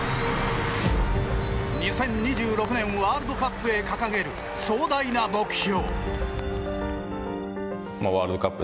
２０２６年ワールドカップへ掲げる壮大な目標。